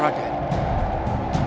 apa yang terjadi dengan raden